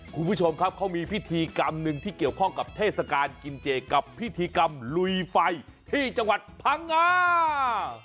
คุณผู้ชมครับเขามีพิธีกรรมหนึ่งที่เกี่ยวข้องกับเทศกาลกินเจกับพิธีกรรมลุยไฟที่จังหวัดพังงา